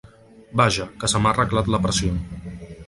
Vaja, que se m’ha arreglat la pressió.